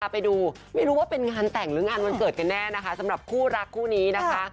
ไปดูไม่รู้ว่าเป็นงานแต่งหรืองานวันเกิดกันแน่นะคะสำหรับคู่รักคู่นี้นะคะ